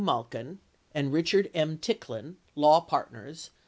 Malkin and Richard M. Ticktin (law partners).